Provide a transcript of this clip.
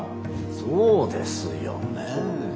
そうですよねえ。